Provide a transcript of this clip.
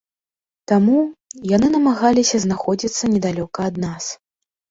Таму, яны намагаліся знаходзіцца недалёка ад нас.